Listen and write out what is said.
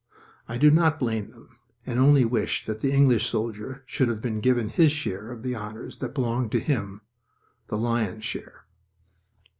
I do not blame them, and only wish that the English soldier should have been given his share of the honors that belonged to him the lion's share.